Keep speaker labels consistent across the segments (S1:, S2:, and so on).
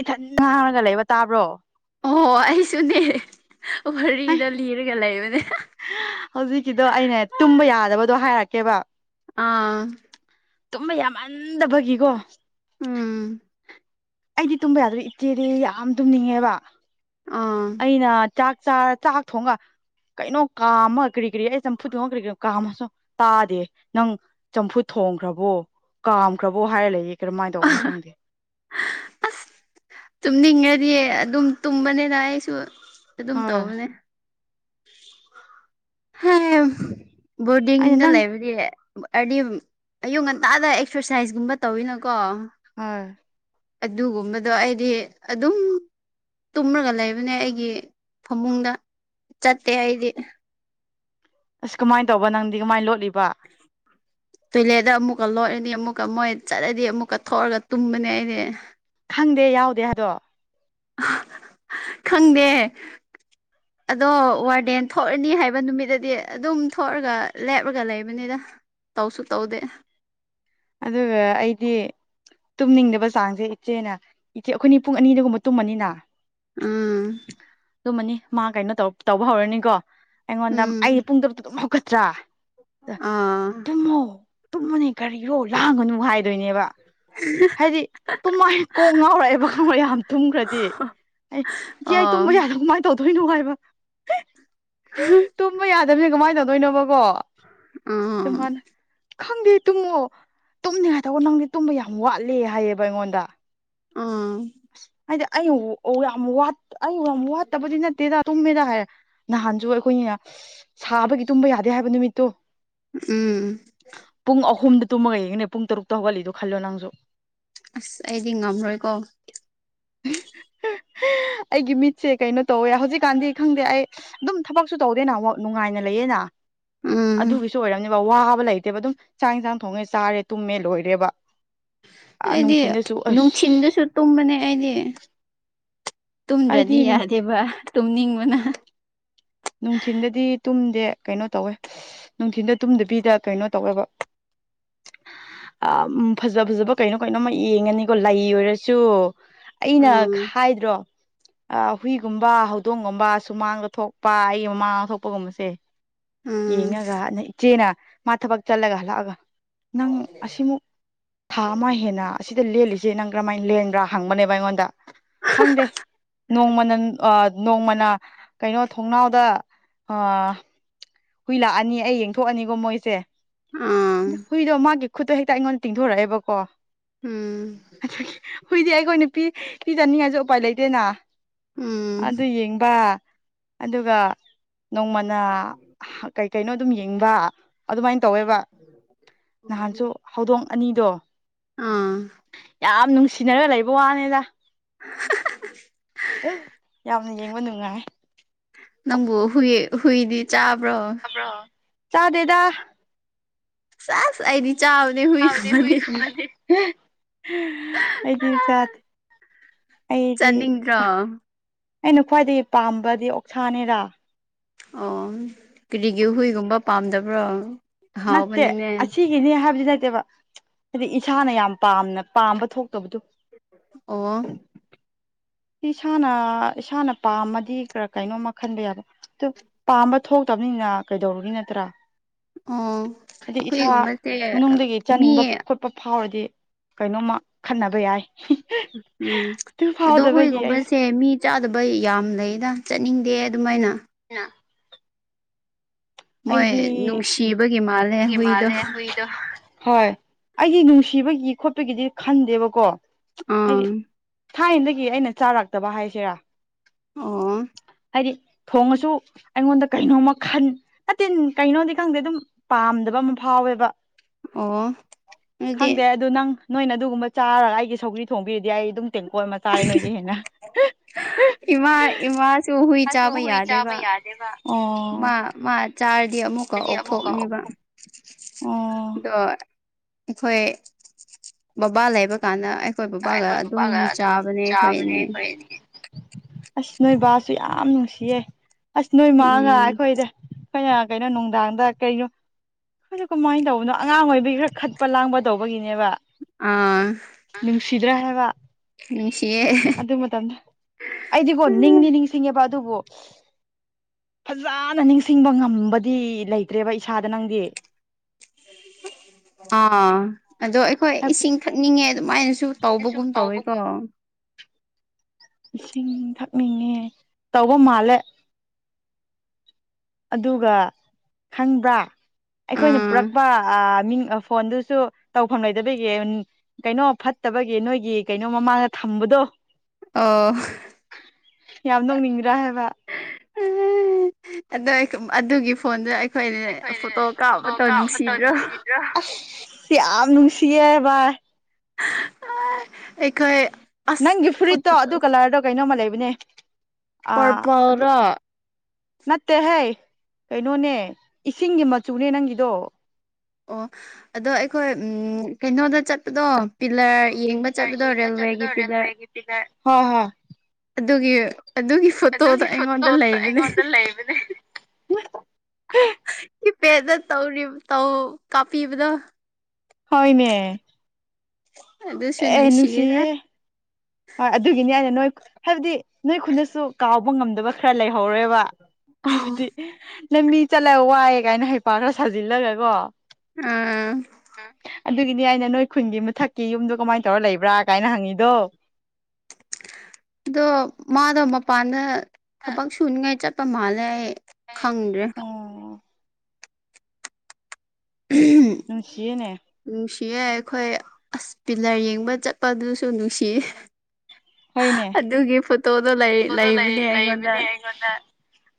S1: ꯏꯊꯟ ꯉꯥꯡꯉꯒ ꯂꯩꯕ ꯇꯥꯕ꯭ꯔꯣ
S2: ꯑꯣ ꯑꯩꯁꯨꯅꯦ
S1: ꯑꯩ
S2: ꯋꯥꯔꯤꯗ ꯂꯤꯔꯒ ꯂꯩꯕꯅꯦ
S1: ꯍꯧꯖꯤꯛꯀꯤꯗꯣ ꯑꯩꯅ ꯇꯨꯝꯕ ꯌꯥꯗꯕꯗꯣ ꯍꯥꯏꯔꯛꯀꯦꯕ
S2: ꯑꯥ
S1: ꯇꯨꯝꯕ ꯌꯥꯃꯟꯗꯕꯒꯤꯀꯣ
S2: ꯎꯝ
S1: ꯑꯩꯗꯤ ꯇꯨꯝꯕ ꯌꯥꯗ꯭ꯔꯦ ꯏꯠꯆꯦꯗꯤ ꯌꯥꯝ ꯇꯨꯝꯅꯤꯡꯉꯦꯕ
S2: ꯑꯥ
S1: ꯑꯩꯅ ꯆꯥꯛ ꯆꯥꯔ ꯆꯥꯛ ꯊꯣꯡꯒ ꯀꯩꯅꯣ ꯀꯥꯝꯃ ꯀꯔꯤ ꯀꯔꯤ ꯑꯩ ꯆꯝꯐꯨꯠ ꯊꯣꯡꯉ ꯀꯔꯤ ꯀꯔꯤ ꯀꯥꯝꯃꯁꯨ ꯇꯥꯗꯦ ꯅꯪ ꯆꯝꯐꯨꯠ ꯊꯣꯡꯈ꯭ꯔꯕꯣ ꯀꯥꯝꯈ꯭ꯔꯕꯣ ꯍꯥꯏꯔ ꯂꯩꯌꯦ ꯀꯔꯝꯃꯥꯏꯅ ꯇꯧꯕꯅꯣ ꯈꯪꯗꯦ
S2: ꯇꯨꯝꯅꯤꯡꯉꯗꯤꯌꯦ ꯑꯗꯨꯝ ꯇꯨꯝꯕꯅꯤꯅ ꯑꯩꯁꯨ ꯑꯗꯨꯝ
S1: ꯍꯣꯏ
S2: ꯇꯧꯕꯅꯦ
S1: ꯑꯩꯅ
S2: ꯕꯣꯔꯗꯤꯡꯗ
S1: ꯅꯪ
S2: ꯂꯩꯕꯗꯤ ꯍꯥꯏꯗꯤ ꯑꯌꯨꯛ ꯉꯟꯇꯥꯗ ꯑꯦꯛꯁꯔꯁꯥꯏꯁꯀꯨꯝꯕ ꯇꯧꯋꯤꯅꯀꯣ
S1: ꯑꯥꯔ
S2: ꯑꯗꯨꯒꯨꯝꯕꯗꯣ ꯑꯩꯗꯤꯗꯤ ꯑꯗꯨꯝ ꯇꯨꯝꯔꯒ ꯂꯩꯕꯅꯦ ꯑꯩꯒꯤ ꯐꯃꯨꯡꯗ ꯆꯠꯇꯦ ꯑꯩꯗꯤ
S1: ꯑꯁ ꯀꯃꯥꯏꯅ ꯇꯧꯕ ꯅꯪꯗꯤ ꯀꯃꯥꯏꯅ ꯂꯣꯠꯂꯤꯕ
S2: [unintelligible] ꯇꯣꯏꯂꯦꯠꯇ ꯑꯃꯨꯛꯀ ꯂꯣꯏꯔꯅꯤ ꯑꯃꯨꯛꯀ ꯃꯣꯏ ꯆꯠꯂꯗꯤ ꯑꯃꯨꯛꯀ ꯊꯣꯛꯑꯒ ꯇꯨꯝꯕꯅꯦ ꯑꯩꯗꯤ
S1: ꯈꯪꯗꯦ ꯌꯥꯎꯗꯦ ꯍꯥꯏꯗꯣ
S2: ꯈꯪꯗꯦ ꯑꯗꯣ ꯋꯥꯔꯗꯦꯟ ꯊꯣꯛꯑꯅꯤ ꯍꯥꯏꯕ ꯅꯨꯃꯤꯠꯇꯗꯤ ꯑꯗꯨꯝ ꯊꯣꯛꯑꯒ ꯂꯦꯞꯔꯒ ꯂꯩꯕꯅꯤꯗ ꯇꯧꯁꯨ ꯇꯧꯗꯦ
S1: ꯑꯗꯨꯒ ꯑꯩꯗꯤ ꯇꯨꯝꯅꯤꯡꯗꯕ ꯆꯥꯡꯁꯦ ꯏꯆꯦꯅ ꯏꯆꯦ ꯑꯩꯈꯣꯏꯅꯤ ꯄꯨꯡ ꯑꯅꯤꯗꯒꯨꯝꯕ ꯇꯨꯝꯃꯅꯤꯅ
S2: ꯎꯝ
S1: ꯇꯨꯝꯃꯅꯤ ꯃꯥ ꯀꯩꯅꯣ ꯇꯧ ꯇꯧꯕ ꯍꯧꯔꯅꯤꯀꯣ ꯑꯩꯉꯣꯟꯗ
S2: ꯎꯝ
S1: ꯑꯩꯗꯤ ꯄꯨꯡ ꯇꯔꯨꯛꯇ ꯑꯗꯨꯝ ꯍꯧꯒꯠꯇ꯭ꯔꯥ
S2: ꯑꯥ
S1: ꯇꯨꯝꯃꯣ ꯇꯨꯝꯃꯣꯅꯦ ꯀꯔꯤꯔꯣ ꯂꯥꯡꯒꯅꯨ ꯍꯥꯏ
S2: [inaudible]
S1: ꯍꯥꯏꯗꯤ ꯇꯨꯝꯃꯥꯏ ꯀꯣꯛ ꯉꯥꯎꯔꯛꯑꯦꯕ ꯈꯪꯉꯕ ꯌꯥꯝ ꯊꯨꯝꯈ꯭ꯔꯗꯤ ꯑꯩ ꯏꯆꯦ ꯑꯩ
S2: ꯑꯣ
S1: ꯇꯨꯝꯕ ꯌꯥꯗꯧ ꯃꯥꯟ ꯇꯧꯗꯣꯏꯅꯣ ꯍꯥꯏꯕ ꯇꯨꯝꯕ ꯌꯥꯗꯕꯁꯦ ꯀꯃꯥꯏꯅ ꯇꯧꯗꯣꯏꯅꯣꯕ ꯀꯣ ꯑꯗꯨ
S2: ꯎꯝ
S1: ꯃꯥꯅ ꯈꯪꯗꯦ ꯇꯨꯝꯃꯣ ꯇꯨꯝꯅꯤꯡꯉꯥꯏ ꯇꯧꯑꯣ ꯅꯪꯗꯤ ꯇꯨꯝꯕ ꯌꯥꯝ ꯋꯥꯠꯂꯦ ꯍꯥꯏꯌꯦꯕ ꯑꯩꯉꯣꯟꯗ
S2: ꯎꯝ
S1: ꯍꯥꯏꯗꯤ ꯑꯩ ꯋꯥ ꯌꯥꯝ ꯋꯥꯠ ꯑꯩ ꯌꯥꯝ ꯋꯥꯠꯇꯕꯗꯤ ꯅꯠꯇꯦꯗ ꯇꯨꯝꯃꯦꯗ ꯍꯥꯏꯔꯦ ꯅꯍꯥꯟꯁꯨ ꯑꯩꯈꯣꯏꯅꯤꯅ ꯁꯥꯕꯒꯤ ꯇꯨꯝꯕ ꯌꯥꯗꯦ ꯍꯥꯏꯕ ꯅꯨꯃꯤꯠꯇꯣ
S2: ꯎꯝ
S1: ꯄꯨꯡ ꯑꯍꯨꯝꯗ ꯇꯨꯝꯃꯒ ꯌꯦꯡꯉꯤꯅꯦ ꯄꯨꯡ ꯇꯔꯨꯛꯇ ꯍꯧꯒꯠꯂꯤꯗꯣ ꯈꯜꯂꯣ ꯅꯪꯖꯨ
S2: ꯑꯁ ꯑꯩꯗꯤ ꯉꯝꯔꯣꯏꯀꯣ
S1: ꯑꯩꯒꯤ ꯃꯤꯠꯁꯦ ꯀꯩꯅꯣ ꯇꯧꯋꯦ ꯍꯧꯖꯤꯛꯀꯥꯟꯗꯤ ꯈꯪꯗꯦ ꯑꯩ ꯑꯗꯨꯝ ꯊꯕꯛꯁꯨ ꯇꯧꯗꯦꯅ ꯋꯥꯛ ꯅꯨꯡꯉꯥꯏꯅ ꯂꯩꯌꯦꯅ
S2: ꯎꯝ
S1: ꯑꯗꯨꯒꯤꯁꯨ ꯑꯣꯏꯔꯝꯅꯦꯕ ꯋꯥꯕ ꯂꯩꯇꯦꯕ ꯑꯗꯨꯝ ꯆꯥꯛ ꯏꯟꯁꯥꯡ ꯊꯣꯡꯉꯦ ꯆꯥꯔꯦ ꯇꯨꯝꯃꯦ ꯂꯣꯏꯔꯦꯕ
S2: ꯑꯩꯗꯤ
S1: ꯅꯨꯡꯊꯤꯟꯗꯁꯨ ꯑꯁ
S2: ꯅꯨꯡꯊꯤꯜꯗꯁꯨ ꯇꯨꯝꯕꯅꯦ ꯑꯩꯗꯤ ꯇꯨꯝꯗ꯭ꯔꯗꯤ
S1: ꯑꯩꯗꯤ
S2: ꯌꯥꯗꯦꯕ ꯇꯨꯝꯅꯤꯡꯕꯅ
S1: ꯅꯨꯡꯊꯤꯟꯗꯗꯤ ꯇꯨꯝꯗꯦ ꯀꯩꯅꯣ ꯇꯧꯋꯦ ꯅꯨꯡꯊꯤꯟꯗ ꯇꯨꯝꯗꯕꯤꯗ ꯀꯩꯅꯣ ꯇꯧꯋꯦꯕ ꯑꯝ ꯐꯖ ꯐꯖꯕ ꯀꯩꯅꯣ ꯀꯩꯅꯣꯝꯃ ꯌꯦꯡꯉꯅꯤꯀꯣ ꯂꯩ ꯑꯣꯏꯔꯁꯨ ꯑꯩꯅ
S2: ꯎꯝ
S1: ꯍꯥꯏꯗ꯭ꯔꯣ ꯑꯥ ꯍꯨꯏꯒꯨꯝꯕ ꯍꯧꯗꯣꯡꯒꯨꯝꯕ ꯁꯨꯃꯥꯡꯗ ꯊꯣꯛ ꯄꯥ ꯑꯩꯒꯤ ꯃꯃꯥꯡ ꯊꯣꯛꯄꯒꯨꯝꯕꯁꯦ
S2: ꯎꯝ
S1: ꯌꯦꯡꯉꯒ ꯏꯆꯦꯅ ꯃꯥ ꯊꯕꯛ ꯆꯠꯂꯒ ꯍꯜꯂꯛꯑꯥꯒ ꯅꯪ ꯑꯁꯤꯃꯨꯛ ꯊꯥ ꯑꯃ ꯍꯦꯟꯅ ꯑꯁꯤꯗ ꯂꯦꯜꯂꯤ ꯁꯦ ꯅꯪ ꯀꯔꯝ ꯍꯥꯏꯅ ꯂꯦꯟꯕ꯭ꯔꯥ ꯍꯪꯕꯅꯦꯕ ꯑꯩꯉꯣꯟꯗ ꯈꯪꯗꯦ ꯅꯣꯡꯃꯅ ꯑꯥ ꯅꯣꯡꯃꯅ ꯀꯩꯅꯣ ꯊꯣꯡꯅꯥꯎꯗ ꯑꯣ ꯍꯨꯏ ꯂꯥꯛꯑꯥꯅꯤ ꯑꯩ ꯌꯦꯡ ꯊꯣꯛꯑꯥꯅꯤꯀꯣ ꯃꯣꯏꯁꯦ
S2: ꯑꯥ
S1: ꯗꯣ ꯍꯨꯏꯗꯣ ꯃꯥꯒꯤ ꯈꯨꯠꯇꯣ ꯍꯦꯛꯇ ꯑꯩꯉꯣꯟꯗ ꯇꯤꯡꯊꯣꯔꯛꯑꯦꯕꯀꯣ
S2: ꯎꯝ
S1: ꯑꯗꯨꯒꯤ ꯍꯨꯏꯗꯤ ꯑꯩꯈꯣꯏ ꯅꯨꯄꯤ ꯄꯤꯖꯅꯤꯡꯉꯥꯏꯁꯨ ꯎꯄꯥꯏ ꯂꯩꯇꯦꯅ
S2: ꯎꯝ
S1: ꯑꯗꯨ ꯌꯦꯡꯕ ꯑꯗꯨꯒ ꯅꯣꯡꯃꯅ ꯍꯥ ꯀꯩ ꯀꯩꯅꯣ ꯑꯗꯨꯝ ꯌꯦꯡꯕ ꯑꯗꯨꯃꯥꯏꯅ ꯇꯧꯋꯦꯕ ꯅꯍꯥꯟꯁꯨ ꯍꯧꯗꯣꯡ ꯑꯅꯤꯗꯣ
S2: ꯑꯥ
S1: ꯌꯥꯝ ꯅꯨꯡꯁꯤꯅꯔ ꯂꯩꯕ ꯋꯥꯅꯤꯗ ꯌꯥꯝ ꯑꯗꯨꯅ ꯌꯦꯡꯕ ꯅꯨꯡꯉꯥꯏ
S2: ꯅꯪꯕꯨ ꯍꯨꯏ ꯍꯨꯏꯗꯤ ꯆꯥꯕ꯭ꯔꯣ
S1: ꯆꯥꯗꯦꯗ
S2: ꯁꯦꯁ ꯑꯩꯗꯤ ꯆꯥꯕꯅꯦ ꯍꯨꯏꯒꯨꯝꯕꯗꯤ
S1: ꯒꯨꯝꯕꯗꯤ ꯑꯩꯗꯤ ꯆꯥꯗꯦ ꯑꯩꯗꯤ
S2: ꯆꯥꯅꯤꯡꯗ꯭ꯔꯣ
S1: ꯑꯩꯅ ꯈ꯭ꯋꯥꯏꯗꯒꯤ ꯄꯥꯝꯕꯗꯤ ꯑꯣꯛꯁꯥꯅꯤꯗ
S2: ꯑꯣ ꯀꯔꯤꯒꯤ ꯍꯨꯏꯒꯨꯝꯕ ꯄꯥꯝꯗꯕ꯭ꯔꯣ
S1: ꯅꯠꯇꯦ
S2: ꯍꯥꯎꯕꯅꯤꯅꯦ
S1: ꯑꯁꯤ ꯁꯤꯒꯤꯅꯤ ꯍꯥꯏꯕꯗꯤ ꯅꯠꯇꯦꯕ ꯍꯥꯏꯗꯤ ꯏꯁꯥꯅ ꯌꯥꯝ ꯄꯥꯝꯅ ꯄꯥꯝꯕ ꯊꯣꯛꯇꯕꯗꯨ
S2: ꯑꯣ
S1: ꯏꯁꯥꯅ ꯏꯁꯥꯅ ꯄꯥꯝꯃꯗꯤ ꯈꯔ ꯀꯩꯅꯣꯝꯃ ꯈꯟꯕ ꯌꯥꯕ ꯑꯗꯨ ꯄꯥꯝꯕ ꯊꯣꯛꯇꯕꯅꯤꯅ ꯀꯩꯗꯧꯔꯨꯒꯤ ꯅꯠꯇ꯭ꯔꯥ
S2: ꯑꯣ
S1: ꯍꯥꯏꯗꯤ ꯏꯁꯥ
S2: ꯍꯨꯏꯒꯨꯝꯕꯁꯦ
S1: ꯃꯅꯨꯡꯗꯒꯤ ꯆꯥꯅꯤꯡꯕ
S2: ꯃꯤ
S1: ꯈꯨꯠ ꯄ ꯐꯥꯎꯔꯗꯤ ꯀꯩꯅꯣꯝꯃ ꯈꯟꯅꯕ ꯌꯥꯏ
S2: ꯎꯝ
S1: ꯑꯗꯨ
S2: ꯑꯗꯣ
S1: ꯐꯥꯎꯗꯕꯒꯤ
S2: ꯍꯣꯏꯒꯨꯝꯕꯁꯦ
S1: ꯑꯩꯁ
S2: ꯃꯤ ꯆꯥꯗꯕ ꯌꯥꯝ ꯂꯩꯗ ꯆꯠꯅꯤꯡꯗꯦ ꯑꯗꯨꯃꯥꯏꯅ
S1: ꯅ
S2: ꯃꯣꯏ
S1: ꯑꯩꯗꯤ ꯑꯦ
S2: ꯅꯨꯡꯁꯤꯕꯒꯤ ꯃꯥꯜꯂꯦ
S1: ꯍꯨꯢ
S2: ꯍꯨꯏꯗꯣ
S1: ꯃꯥꯜꯂꯦ ꯍꯨꯢ ꯍꯣꯏ ꯑꯩꯒꯤ ꯅꯨꯡꯁꯤꯕꯒꯤ ꯈꯣꯠꯄꯒꯤꯗꯤ ꯈꯟꯗꯦꯕꯀꯣ
S2: ꯑꯥ
S1: ꯍꯥꯏꯗꯤ ꯊꯥꯏꯅꯗꯒꯤ ꯑꯩꯅ ꯆꯥꯔꯛꯇꯕ ꯍꯥꯏꯁꯤꯔꯥ
S2: ꯑꯣ
S1: ꯍꯥꯏꯗꯤ ꯊꯣꯡꯉꯁꯨ ꯑꯩꯉꯣꯟꯗ ꯀꯩꯅꯣꯝꯃ ꯈꯟ ꯑꯇꯤꯟ ꯀꯩꯅꯣꯗꯤ ꯈꯪꯗꯦ ꯑꯗꯨꯝ ꯄꯥꯝꯗꯕ ꯑꯃ ꯐꯥꯎꯋꯦꯕ
S2: ꯑꯣ ꯅꯣꯢꯗꯤ
S1: ꯈꯪꯗꯦ ꯑꯗꯨ ꯅꯪ ꯅꯣꯏꯅ ꯑꯗꯨꯒꯨꯝꯕ ꯆꯥꯔꯒ ꯑꯩꯒꯤ ꯁꯧꯒ꯭ꯔꯤ ꯊꯣꯡꯕꯤꯔꯗꯤ ꯑꯩ ꯑꯗꯨꯝ ꯇꯦꯡꯀꯣꯠ ꯑꯃ ꯆꯥꯔꯦ ꯅꯣꯏꯗꯤ ꯍꯦꯟꯅ
S2: ꯏꯃꯥ ꯏꯃꯥꯁꯨ ꯍꯨꯏ
S1: ꯃꯥꯁꯨ
S2: ꯆꯥꯕ
S1: ꯍꯨꯏ ꯆꯥꯕ
S2: ꯌꯥꯗꯦꯕ
S1: ꯌꯥꯗꯦꯕ
S2: ꯃꯥ ꯃꯥ ꯆꯥꯔꯗꯤ ꯑꯃꯨꯛꯀ
S1: ꯍꯥꯏꯗꯤ ꯑꯃꯨꯛꯀ
S2: ꯑꯣꯛꯊꯣꯛꯅꯤꯕ ꯑꯗꯣ ꯑꯩꯈꯣꯏ ꯕꯕꯥ ꯂꯩꯕ ꯀꯥꯟꯗ ꯑꯩꯈꯣꯏ ꯕꯥꯕꯥꯒ ꯑꯗꯨꯝ
S1: ꯕꯕꯥꯒ ꯑꯗꯨꯝ
S2: ꯆꯥꯕꯅꯦ ꯑꯩꯈꯣꯏ
S1: ꯆꯥꯕꯅꯦ
S2: ꯑꯅꯤ
S1: ꯑꯩꯈꯣꯏ ꯑꯅꯤ ꯑꯁ ꯅꯣꯏ ꯕꯥꯁꯨ ꯌꯥꯝ ꯅꯨꯡꯁꯤꯌꯦ ꯑꯁ ꯅꯣꯏ ꯃꯥꯅ
S2: ꯎꯝ
S1: ꯑꯩꯈꯣꯏꯗ ꯑꯩꯈꯣꯏꯅ ꯀꯩꯅꯣ ꯅꯨꯡꯗꯥꯡꯗ ꯀꯩꯅꯣ ꯑꯩꯈꯣꯏꯗꯨ ꯀꯃꯥꯏ ꯇꯧꯕꯅꯣ ꯑꯉꯥꯡ ꯑꯣꯏꯕꯤꯒꯤ ꯈꯔ ꯈꯠꯄ ꯂꯥꯡꯕ ꯇꯧꯕꯒꯤꯅꯦꯕ
S2: ꯑꯥ
S1: ꯑꯥ ꯅꯨꯡꯁꯤꯗ꯭ꯔꯥ ꯍꯥꯏꯕ
S2: ꯅꯨꯡꯁꯤꯌꯦ
S1: [unintelligible] ꯑꯩꯗꯤꯀꯣ ꯅꯤꯡꯗꯤ ꯅꯤꯡꯁꯤꯡꯉꯦꯕ ꯑꯗꯨꯕꯨ ꯐꯖꯅ ꯅꯤꯡꯁꯤꯡꯕ ꯉꯝꯕꯗꯤ ꯂꯩꯇ꯭ꯔꯦꯕ ꯏꯁꯥꯗ ꯅꯪꯗꯤ
S2: ꯑꯥ ꯑꯗꯣ ꯑꯩꯈꯣꯏ ꯏꯁꯤꯡ ꯊꯛꯅꯤꯡꯉꯦ ꯑꯗꯨꯃꯥꯏꯅꯁꯨ
S1: ꯑꯁꯨ ꯇꯧꯕꯒꯨꯝ ꯏꯁꯤꯡ ꯊꯛꯅꯤꯡꯉꯦ ꯇꯧꯕ ꯃꯥꯜꯂꯦ ꯑꯗꯨꯒ ꯈꯪꯕ꯭ꯔꯥ ꯑꯩꯈꯣꯏꯅ
S2: ꯑꯥ
S1: ꯄꯨꯔꯛꯄ ꯑꯥ ꯃꯤꯡ ꯐꯣꯟꯗꯨꯁꯨ ꯇꯧꯐꯝ ꯂꯩꯗꯕꯤꯒꯤ ꯀꯩꯅꯣ ꯐꯠꯇꯕꯒꯤ ꯅꯣꯏꯒꯤ ꯀꯩꯅꯣ ꯃꯃꯥꯡꯗ ꯊꯝꯕꯗꯣ
S2: ꯑꯥꯎ
S1: ꯌꯥꯝ ꯅꯣꯡꯅꯤꯡꯗ꯭ꯔꯥ ꯍꯥꯏꯕ
S2: ꯑꯗꯣ ꯑꯗꯨꯒꯤ ꯐꯣꯟꯗ ꯑꯩ
S1: ꯑꯩꯈꯣꯏꯅ ꯐꯣꯇꯣ ꯀꯥꯞꯄꯗꯣ ꯅꯨꯡꯁꯤꯗ꯭ꯔꯣ ꯑꯁ ꯌꯥꯝ ꯅꯨꯡꯁꯤꯌꯦ ꯚꯥꯏ
S2: ꯑꯩꯈꯣꯏ
S1: ꯅꯪꯒꯤ
S2: ꯑꯁ
S1: ꯐꯨꯔꯤꯠꯇꯣ ꯑꯗꯨ ꯀꯂ꯭ꯔꯗꯣ ꯀꯩꯅꯣꯝꯃ ꯂꯩꯕꯅꯦ ꯑꯥ ꯑꯗꯨ
S2: ꯄꯔꯄꯜꯔꯣ
S1: ꯅꯠꯇꯦꯍꯦ ꯀꯩꯅꯣꯅꯦ ꯏꯁꯤꯡꯒꯤ ꯃꯆꯨꯅꯦ ꯅꯪꯒꯤꯗꯣ
S2: ꯑꯣ ꯑꯗꯣ ꯑꯩꯈꯣꯏ ꯎ ꯀꯩꯅꯣꯗ ꯆꯠꯄꯗꯣ ꯄꯤꯂꯔ ꯌꯦꯡꯕ ꯆꯠꯕꯗꯣ
S1: ꯌꯦꯡꯕ
S2: ꯔꯦꯜꯋꯦꯒꯤ
S1: ꯆꯠꯄꯗꯣ
S2: ꯄꯤꯂꯔ
S1: ꯔꯦꯜꯋꯦꯒꯤ ꯄꯤꯂꯔ ꯍꯣꯏ ꯍꯣꯏ
S2: ꯑꯗꯨꯒꯤ ꯑꯗꯨꯒꯤ ꯐꯣꯇꯣꯗꯣ
S1: ꯑꯗꯨꯒꯤ
S2: ꯑꯩꯉꯣꯟꯗ
S1: ꯐꯣꯇꯣꯗꯣ
S2: ꯂꯩꯕꯅꯦ
S1: ꯑꯩꯉꯣꯟꯗ ꯂꯩꯕꯅꯦ
S2: ꯀꯤꯕꯦꯠꯇ ꯇꯧꯔꯤꯕ ꯇꯧ ꯀꯥꯞꯄꯤꯕꯗꯣ
S1: ꯍꯣꯏꯅꯦ
S2: ꯑꯗꯨꯁꯨ
S1: ꯑꯦ
S2: ꯅꯨꯡꯁꯤꯗ
S1: ꯅꯨꯡꯁꯤꯌꯦ ꯍꯣꯏ ꯑꯗꯨꯒꯤꯅꯤ ꯑꯩꯅ ꯅꯣꯏ ꯍꯥꯏꯕꯗꯤ ꯅꯣꯏ ꯈꯨꯟꯗꯁꯨ ꯀꯥꯎꯕ ꯉꯝꯗꯕ ꯈꯔ ꯂꯩꯍꯧꯔꯦꯕ
S2: ꯑꯣ
S1: ꯍꯥꯏꯕꯗꯤ ꯅꯪ ꯃꯤ ꯆꯠꯂꯒ ꯋꯥꯏ ꯀꯥꯏꯅ ꯍꯩꯄꯥ ꯈꯔ ꯁꯥꯖꯤꯜꯂꯒ ꯀꯣ
S2: ꯎꯝ
S1: ꯑꯗꯨꯒꯤꯅꯤ ꯑꯩꯅ ꯅꯣꯏ ꯈꯨꯟꯒꯤ ꯃꯊꯛꯀꯤ ꯌꯨꯝꯗꯣ ꯀꯃꯥꯏꯅ ꯇꯧꯔ ꯂꯩꯕ꯭ꯔꯥ ꯀꯥꯏꯅ ꯍꯪꯉꯤꯗꯣ
S2: ꯑꯗꯣ ꯃꯥꯗꯣ ꯃꯄꯥꯟꯗ ꯊꯕꯛ ꯁꯨꯅꯤꯡꯉꯥꯏ ꯆꯠꯄ ꯃꯥꯜꯂꯦ ꯑꯩ ꯈꯪꯗꯦ
S1: ꯑꯣ
S2: ꯎ [unintelligible]
S1: ꯅꯨꯡꯁꯤꯌꯦꯅꯦ
S2: ꯅꯨꯡꯁꯤꯌꯦ ꯑꯩꯈꯣꯏ ꯑꯁ ꯄꯤꯂꯔ ꯌꯦꯡꯕ ꯆꯠꯄꯗꯨꯁꯨ ꯅꯨꯡꯁꯤꯌꯦ
S1: ꯍꯣꯏꯅꯦ
S2: ꯑꯗꯨꯒꯤ ꯐꯣꯇꯣꯗꯣ ꯂꯩ
S1: ꯐꯣꯇꯣꯗꯣ
S2: ꯂꯩꯕꯅꯦ
S1: ꯂꯩ
S2: ꯑꯩꯉꯣꯟꯗ
S1: ꯂꯩꯕꯅꯦ ꯑꯩꯉꯣꯟꯗ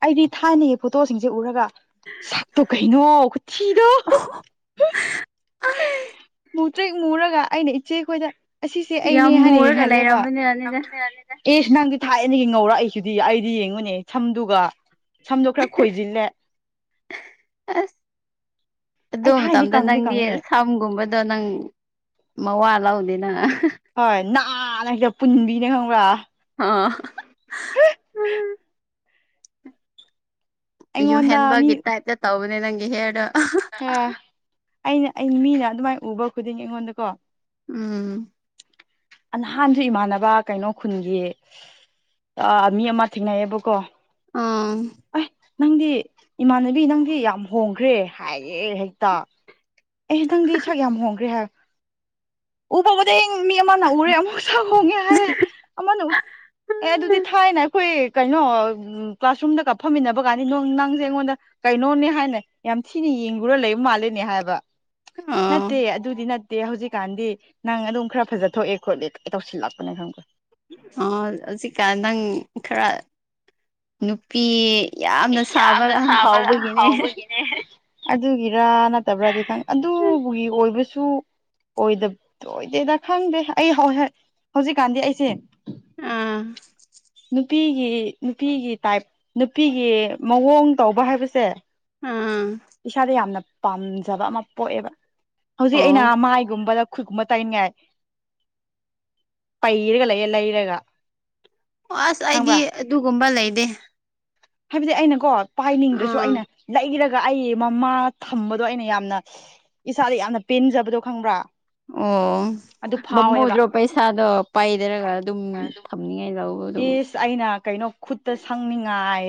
S1: ꯑꯩꯗꯤ ꯊꯥꯏꯅꯒꯤ ꯐꯣꯇꯣꯁꯤꯡꯁꯦ ꯎꯔꯒ ꯁꯛꯇꯣ ꯀꯩꯅꯣ ꯈꯨꯊꯤꯗꯣ ꯇ꯭ꯔꯤꯛ ꯃꯨꯔꯒ ꯑꯩꯅ ꯏꯆꯦꯈꯣꯏꯗ ꯑꯁꯤꯁꯦ ꯑꯩꯅꯦ
S2: ꯌꯥꯝ
S1: ꯍꯥꯢꯅ
S2: ꯃꯨꯔꯒ
S1: ꯌꯦꯡꯍꯜꯂꯦꯕ
S2: ꯂꯩꯔꯝꯕꯅꯤꯅꯅꯤꯗ
S1: ꯑꯦꯁ ꯅꯪꯗꯤ ꯊꯥꯏꯅꯗꯩ ꯉꯧꯔꯛꯢꯁꯤꯗꯤ ꯑꯩꯗꯤ ꯌꯦꯡꯉꯨꯅꯦ ꯁꯝꯗꯨꯒ ꯁꯝꯗꯣ ꯈꯔ ꯈꯣꯏꯖꯤꯜꯂꯦ
S2: ꯑꯁ ꯑꯗꯨ
S1: ꯑꯩ ꯊꯥꯏꯅꯗꯤ
S2: ꯃꯇꯝꯗ
S1: ꯀꯪꯗꯤ
S2: ꯅꯪꯗꯤ
S1: ꯀꯪꯉꯦ
S2: ꯁꯝꯒꯨꯝꯕꯗꯣ ꯅꯪ ꯃꯋꯥ ꯂꯧꯗꯦꯅ
S1: ꯍꯣꯏ ꯅꯥꯔꯒ ꯄꯨꯟꯕꯤꯅꯦ ꯈꯪꯕ꯭ꯔꯥ
S2: ꯑꯥ
S1: ꯑꯩꯉꯣꯟꯗ ꯃꯤ
S2: ꯌꯨꯍꯦꯟꯕꯒꯤ ꯇꯥꯏꯞꯇ ꯇꯧꯕꯅꯦ ꯅꯪꯒꯤ ꯍꯦꯌꯥꯔꯗꯣ
S1: ꯑ ꯑꯩꯅ ꯑꯩ ꯃꯤꯅ ꯑꯗꯨꯃꯥꯏꯅ ꯎꯕ ꯈꯨꯗꯤꯡꯒꯤ ꯑꯩꯉꯣꯟꯗꯀꯣ
S2: ꯎꯝ
S1: ꯅꯍꯥꯟꯁꯨ ꯏꯃꯥꯟꯅꯕ ꯀꯩꯅꯣ ꯈꯨꯟꯒꯤ ꯑꯥ ꯃꯤ ꯑꯃ ꯊꯦꯡꯅꯩꯌꯦꯕꯀꯣ
S2: ꯑꯥ
S1: ꯑꯦ ꯅꯪꯗꯤ ꯏꯃꯥꯟꯅꯕꯤ ꯅꯪꯗꯤ ꯌꯥꯝ ꯍꯣꯡꯈ꯭ꯔꯦ ꯍꯥꯏꯌꯦ ꯍꯦꯛꯇ ꯑꯩꯗꯤ ꯈꯪꯗꯦ ꯁꯛ ꯌꯥꯝ ꯍꯣꯡꯈ꯭ꯔꯦ ꯍꯥꯏ ꯎꯕ ꯈꯨꯗꯤꯡ ꯃꯤ ꯑꯃꯅ ꯎꯔꯦ ꯑꯃꯨꯛ ꯁꯝ ꯐꯪꯉꯦ ꯍꯥꯢꯔꯛ ꯑꯃꯅ ꯎꯔꯦ ꯑꯦ ꯑꯗꯨꯗꯤ ꯊꯥꯏꯅ ꯑꯩꯈꯣꯏ ꯀꯩꯅꯣ ꯀ꯭ꯂꯥꯁꯔꯨꯝꯗ ꯀꯥ ꯐꯝꯃꯤꯟꯅꯕ ꯀꯥꯟꯁꯤ ꯅꯪꯁꯦ ꯑꯩꯉꯣꯟꯗ ꯀꯩꯅꯣꯅꯦ ꯍꯥꯏꯅ ꯌꯥꯝ ꯊꯤꯅ ꯌꯦꯡꯉꯨꯔ ꯂꯩꯕ ꯃꯥꯜꯂꯦꯅꯦ ꯍꯥꯏꯕ
S2: ꯑꯣ
S1: ꯅꯠꯇꯦ ꯑꯗꯨꯗꯤ ꯇꯦ ꯍꯧꯖꯤꯛꯀꯥꯟꯗꯤ ꯅꯪ ꯑꯗꯨꯝ ꯈꯔ ꯐꯖ ꯊꯣꯛꯑꯦ ꯈꯣꯠꯂꯦ ꯑꯩ ꯇꯧꯁꯤꯜꯂꯛꯄꯅꯦ ꯈꯪꯕ꯭ꯔꯥ
S2: ꯑꯥ ꯍꯧꯖꯤꯛꯀꯥꯟ ꯅꯪ ꯈꯔ ꯅꯨꯄꯤ ꯌꯥꯝꯅ ꯁꯥꯕ ꯍꯥꯎꯕꯒꯤꯅꯦ
S1: ꯑꯗꯨꯒꯤꯔ ꯅꯠꯇꯕ꯭ꯔꯥꯗꯤ ꯈꯪ ꯑꯗꯨꯒꯤ ꯑꯣꯏꯕꯁꯨ ꯁꯨ ꯑꯣꯏꯗꯕ ꯑꯣꯏꯗꯦꯗ ꯈꯪꯗꯦ ꯑꯩ ꯍꯧꯖꯤꯛꯀꯥꯟꯗꯤ ꯑꯩꯁꯦ
S2: ꯑꯥ
S1: ꯅꯨꯄꯤꯒꯤ ꯅꯨꯄꯤꯒꯤ ꯇꯥꯏꯞ ꯅꯨꯄꯤꯒꯤ ꯃꯑꯣꯡ ꯇꯧꯕ ꯍꯥꯏꯕꯁꯦ
S2: ꯑꯥ
S1: ꯏꯁꯥꯗ ꯌꯥꯝꯅ ꯄꯥꯝꯖꯕ ꯑꯃ ꯄꯣꯛꯑꯦꯕ ꯍꯧꯖꯤꯛ ꯑꯩꯅ
S2: ꯑꯣ
S1: ꯃꯥꯏꯒꯨꯝꯕꯗ ꯈꯨꯠꯀꯨꯝꯕ ꯇꯥꯏꯅꯤꯡꯉꯥꯏ ꯄꯩꯔꯒ ꯂꯩꯌꯦ ꯂꯩꯔꯒ
S2: ꯑꯣ ꯑꯁ ꯑꯩꯗꯤ
S1: ꯈꯪꯕ꯭ꯔꯥ
S2: ꯑꯗꯨꯒꯨꯝꯕ ꯂꯩꯗꯦ
S1: ꯍꯥꯏꯕꯗꯤ ꯑꯩꯅ ꯀꯣ ꯄꯥꯏꯅꯤꯡꯗ꯭ꯔꯁꯨ
S2: ꯑꯥ
S1: ꯑꯩꯅ ꯂꯩꯔ ꯔꯑꯩ ꯃꯃꯥ ꯊꯝꯕꯗꯣ ꯑꯩꯅ ꯌꯥꯝꯅ ꯏꯁꯥꯗ ꯌꯥꯝꯅ ꯄꯦꯟꯖꯕꯗꯣ ꯈꯪꯕ꯭ꯔꯥ
S2: ꯑꯣ
S1: ꯑꯗꯨ ꯐꯥꯎꯋꯦꯕ
S2: ꯕꯝꯃꯨꯗ꯭ꯔꯣ ꯄꯩꯁꯥꯗꯣ ꯄꯥꯏꯗꯔꯒ ꯑꯗꯨꯝ ꯊꯝꯅꯤꯡꯉꯥꯏ ꯂꯧ
S1: ꯏꯁ ꯑꯩꯅ ꯀꯩꯅꯣ ꯈꯨꯠꯇ ꯁꯪꯅꯤꯡꯉꯥꯏ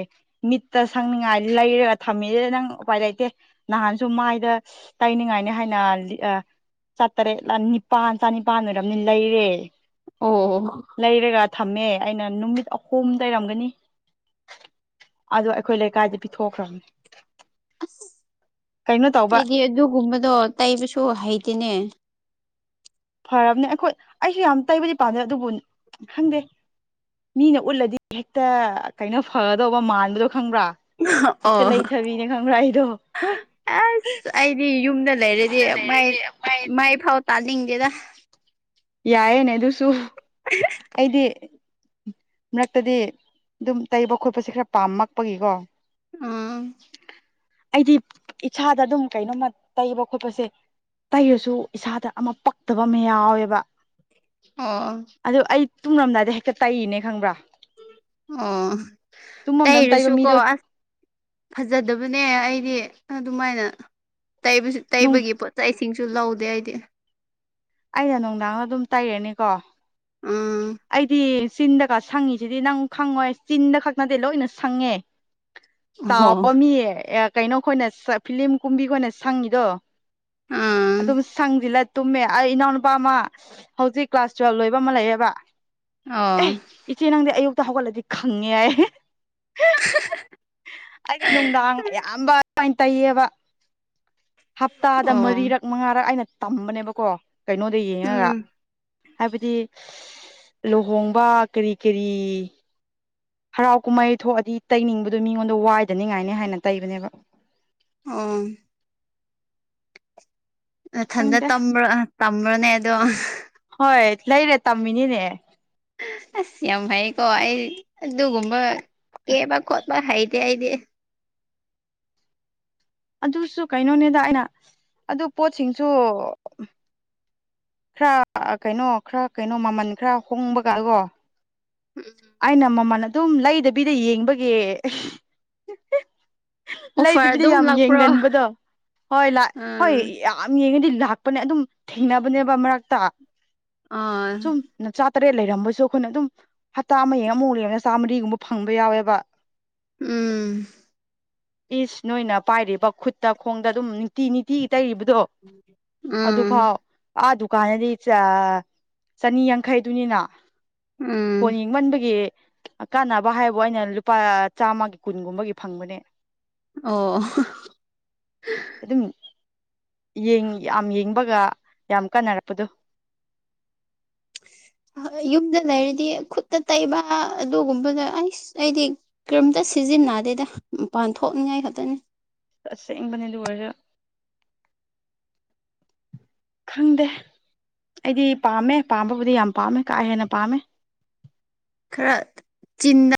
S1: ꯃꯤꯠꯇ ꯁꯪꯅꯤꯡꯉꯥꯏ ꯂꯩꯔꯒ ꯊꯝꯃꯤ ꯅꯪ ꯎꯄꯥꯏ ꯂꯩꯇꯦ ꯅꯍꯥꯟꯁꯨ ꯃꯥꯏꯗ ꯇꯥꯏꯅꯤꯡꯉꯥꯏꯅꯤ ꯍꯥꯏꯅ ꯑ ꯆꯥꯇꯔꯦꯠꯂ ꯅꯤꯄꯥꯥꯟ ꯆꯅꯤꯄꯥꯟ ꯑꯣꯏꯔꯕꯝꯅꯤ ꯂꯩꯔꯦ
S2: ꯑꯣ
S1: ꯂꯩꯔꯒ ꯊꯝꯃꯦ ꯑꯩꯅ ꯅꯨꯃꯤꯠ ꯑꯍꯨꯝ ꯂꯩꯔꯝꯒꯅꯤ ꯑꯗꯣ ꯑꯩꯈꯣꯏ ꯂꯩꯀꯥꯏꯗ ꯄꯤꯊꯣꯛꯈ꯭ꯔꯝꯅꯤ
S2: ꯑꯁ ꯑꯩꯗꯤ ꯑꯗꯨꯒꯨꯝꯕꯗꯣ ꯇꯩꯕꯁꯨ ꯍꯩꯇꯦꯅꯦ
S1: ꯐꯕꯅꯦ ꯑꯈꯣꯏ ꯑꯩꯁꯨ ꯌꯥꯝ ꯇꯩꯕꯗꯤ ꯄꯥꯝꯗꯦ ꯑꯗꯨꯕꯨ ꯈꯪꯗꯦ ꯃꯤꯅ ꯎꯠꯂꯗꯤ ꯍꯦꯛꯇ ꯀꯩꯅꯣ ꯐꯒꯗꯧꯕ ꯃꯥꯟꯕꯗꯣ ꯈꯪꯕ꯭ꯔꯥ ꯍꯦꯛꯇ
S2: ꯑꯣ
S1: ꯂꯩꯊꯕꯤꯅꯦ ꯈꯪ꯭ꯔꯥꯏꯗꯣ ꯑꯩꯗꯣ
S2: ꯁꯤ ꯌꯨꯝꯗ ꯂꯩꯔꯗꯤ
S1: ꯌꯨꯝꯗ
S2: ꯃꯥꯏ
S1: ꯂꯩꯔꯗꯤ
S2: ꯃꯥꯏ ꯐꯥꯎ ꯇꯥꯅꯤꯡꯗꯦꯗ
S1: ꯌꯥꯌꯦꯅꯦ ꯑꯗꯨꯁꯨ ꯑꯩꯗꯤ ꯉꯛꯇꯗꯤ ꯑꯗꯨꯝ ꯇꯩꯕ ꯈꯣꯠꯄꯁꯦ ꯈꯔ ꯄꯥꯝꯃꯛꯄꯒꯤꯀꯣ
S2: ꯑꯝ
S1: ꯑꯩꯗꯤ ꯏꯁꯥꯗ ꯑꯗꯨꯝ ꯀꯩꯅꯣꯝꯃ ꯇꯩꯕ ꯈꯣꯠꯄꯁꯦ ꯇꯩꯔꯁꯨ ꯏꯁꯥꯗ ꯑꯃ ꯄꯛꯇꯕ ꯑꯃ ꯌꯥꯎꯌꯦꯕ
S2: ꯑꯣ
S1: ꯑꯗꯨ ꯑꯩ ꯇꯨꯡꯔꯝꯗꯥꯏꯗ ꯍꯦꯛꯇ ꯇꯛꯏꯅꯦ ꯈꯪꯕ꯭ꯔꯥ
S2: ꯑꯣ
S1: ꯇꯨꯝꯃꯝꯗꯥꯏ ꯇꯩꯕ
S2: ꯇꯩꯔꯁꯨ ꯀꯣ
S1: ꯃꯤꯗꯣ
S2: ꯑꯁ ꯐꯖꯗꯕꯅꯦ ꯑꯩꯗꯤ ꯑꯗꯨꯃꯥꯏꯅ ꯇꯩꯕꯁꯨ
S1: ꯅꯨꯡ
S2: ꯇꯩꯕꯒꯤ ꯄꯣꯠ ꯂꯩ ꯁꯤꯡꯁꯨ ꯂꯧꯗꯦ ꯑꯩꯗꯤ
S1: ꯑꯩꯅ ꯅꯨꯡꯗꯥꯡꯗ ꯑꯗꯨꯝ ꯇꯩꯔꯅꯤꯀꯣ
S2: ꯎꯝ
S1: ꯑꯩꯗꯤ ꯆꯤꯟꯗꯀ ꯁꯪꯉꯤꯁꯤꯗꯤ ꯅꯪ ꯈꯪꯉꯣꯏ ꯆꯤꯟꯗ ꯈꯛ ꯅꯠꯇꯦ ꯂꯣꯏꯅ ꯁꯪꯉꯦ
S2: ꯑꯣ
S1: ꯆꯥꯎꯔ ꯃꯤ ꯀꯩꯅꯣꯈꯣꯏꯅ ꯐꯤꯂꯤꯝ ꯀꯨꯝꯕꯤꯈꯣꯏꯅ ꯁꯪꯉꯤꯗꯣ
S2: ꯎꯝ
S1: ꯑꯗꯨꯝ ꯁꯪꯖꯤꯜꯂ ꯇꯨꯝꯃꯦ ꯑꯩ ꯏꯅꯥꯎꯅꯨꯄꯥ ꯑꯃ ꯍꯧꯖꯤꯛ ꯀ꯭ꯂꯥꯁ ꯇꯨꯋꯦꯜ‌ ꯂꯣꯏꯕ ꯑꯃ ꯂꯩꯑꯦꯕ
S2: ꯑꯧ
S1: ꯏꯆꯦ ꯅꯪꯗꯤ ꯑꯌꯨꯛꯇ ꯍꯧꯒꯠꯂꯗꯤ ꯈꯪꯉꯦ‌‌ ꯍꯥꯏ ꯑꯩꯗꯤ ꯅꯨꯡꯗꯥꯡ ꯑꯌꯥꯝꯕ ꯑꯗꯨꯃꯥꯏꯅ ꯇꯩꯌꯦꯕ ꯍꯞꯇꯥꯗ
S2: ꯑꯣ
S1: ꯃꯔꯤꯔꯛ ꯃꯉꯥꯔꯛ ꯑꯩꯅ ꯇꯝꯕꯅꯦꯕꯀꯣ ꯀꯩꯅꯣꯗ ꯌꯦꯡꯉꯒ
S2: ꯎꯝ
S1: ꯍꯥꯏꯕꯗꯤ ꯂꯨꯍꯣꯡꯕ ꯀꯔꯤ ꯀꯔꯤ ꯍꯔꯥꯎ ꯀꯨꯝꯍꯩ ꯊꯣꯛꯑꯗꯤ ꯇꯩꯅꯤꯡꯕꯗꯨ ꯃꯤꯉꯣꯟꯗ ꯋꯥꯏꯗꯅꯤꯡꯉꯥꯏꯅꯤ ꯍꯥꯏꯅ ꯇꯩꯕꯅꯦꯕ
S2: ꯑꯥ ꯅꯊꯟꯗ
S1: ꯈꯪꯗꯦ
S2: ꯇꯝꯕ꯭ꯔ ꯇꯝꯔꯣꯅꯦ ꯑꯗꯣ
S1: ꯍꯣꯏ ꯂꯩꯔꯦ ꯇꯝꯃꯤꯅꯤꯅꯦ
S2: ꯑꯁ ꯌꯥꯝ ꯐꯩꯀꯣ ꯑꯩ ꯑꯗꯨꯒꯨꯝꯕ ꯀꯦꯕ ꯈꯣꯠꯄ ꯍꯩꯇꯦ ꯍꯩꯗꯤ
S1: ꯑꯗꯨꯁꯨ ꯀꯩꯅꯣꯅꯦꯗ ꯑꯩꯅ ꯑꯗꯨ ꯄꯣꯠꯁꯤꯡꯁꯨ ꯈꯔ ꯀꯩꯅꯣ ꯈꯔ ꯀꯩꯅꯣ ꯃꯃꯟ ꯈꯔ ꯍꯣꯡꯕꯒꯒꯣ
S2: ꯎꯝ
S1: ꯑꯩꯅ ꯃꯃꯜ ꯑꯗꯨꯝ ꯂꯩꯗꯕꯤꯗ ꯌꯦꯡꯕꯒꯤ
S2: ꯑꯣꯐꯔ
S1: ꯂꯩꯗꯕꯤꯗ
S2: ꯑꯗꯨꯝ
S1: ꯌꯥꯝ
S2: ꯂꯥꯛꯄ꯭ꯔꯣ
S1: ꯌꯦꯡꯒꯟꯕꯗꯣ ꯍꯣꯏ ꯂꯥꯛ ꯍꯣꯏ
S2: ꯎꯝ
S1: ꯌꯥꯝ ꯌꯦꯡꯉꯗꯤ ꯂꯥꯛꯄꯅꯦ ꯑꯗꯨꯝ ꯊꯦꯡꯅꯕꯅꯦꯕ ꯃꯔꯛꯇ
S2: ꯑꯥ
S1: ꯅ ꯆꯥ ꯇꯔꯦꯠ ꯂꯩꯔꯝꯕꯁꯨ ꯑꯩꯈꯣꯏꯅ ꯑꯗꯨꯝ ꯍꯞꯇꯥ ꯑꯃ ꯌꯦꯡ ꯑꯃꯨꯛ ꯂꯡꯌ‌ꯦꯡ ꯆꯥꯝꯃꯔꯤꯒꯨꯝꯕ ꯐꯪꯕ ꯌꯥꯎꯋꯦꯕ
S2: ꯎꯝ
S1: ꯏꯁ ꯅꯣꯏꯅ ꯄꯥꯏꯔꯤꯕ ꯈꯨꯠꯇ ꯈꯣꯡꯗ ꯑꯗꯨꯝ ꯅꯨꯡꯇꯤ ꯅꯤꯇꯤ ꯇꯩꯔꯤꯕꯗꯣ ꯑꯗꯨ
S2: ꯎꯝ
S1: ꯐꯥꯎ ꯑꯥ ꯗꯨꯀꯥꯟꯗꯗꯤ ꯆꯥ ꯆꯅꯤ ꯌꯥꯡꯈꯩꯗꯨꯅꯤꯅ
S2: ꯎꯝ
S1: ꯐ‌ꯣꯟ ꯌꯦꯡꯃꯟꯕꯒꯤ ꯀꯥꯟꯅꯕ ꯍꯥꯏꯕꯨ ꯑꯩꯅ ꯂꯨꯄꯥ ꯆꯥꯝꯃꯒꯤ ꯀꯨꯟꯒꯨꯝꯕꯒꯤ ꯐꯪꯕꯅꯦ
S2: ꯑꯣ
S1: ꯑꯗꯨꯝ ꯌ‌ꯦꯡ ꯌꯥꯝ ꯌꯦꯡꯕꯒ ꯌꯥꯝ ꯀꯥꯟꯅꯔꯛꯄꯗꯣ
S2: ꯌꯨꯝꯗ ꯂꯩꯔꯗꯤ ꯈꯨꯠꯇ ꯇꯩꯕ ꯑꯗꯨꯒꯨꯝꯕꯗꯣ ꯑꯩꯁ ꯑꯩꯗꯤ ꯀ꯭ꯔꯤꯝꯇ ꯁꯤꯖꯤꯟꯅꯗꯦꯗ ꯃꯄꯥꯟ ꯊꯣꯛꯅꯤꯡꯉꯥꯏ ꯈꯛꯇꯅꯤ
S1: ꯇꯁꯦꯡꯕꯅꯦ ꯗꯨ ꯑꯣꯏꯔꯁ ꯈꯪꯗꯦ ꯑꯩꯗꯤ ꯄꯥꯝꯃꯦ ꯄꯥꯝꯕꯕꯨꯗꯤ ꯌꯥꯝ ꯄꯥꯝꯃꯦ ꯀꯥ ꯍꯦꯟꯅ ꯄꯥꯝꯃꯦ
S2: ꯈꯔ ꯆꯤꯟꯅ